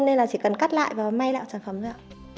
nên là chỉ cần cắt lại và may lại một sản phẩm thôi ạ